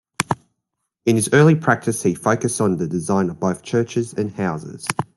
In his early practice he focused on the design of both churches and houses.